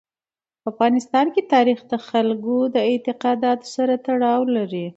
په افغانستان کې تاریخ د خلکو د اعتقاداتو سره تړاو لري.